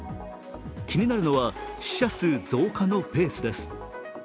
気になるのは、死者数増加のペースです。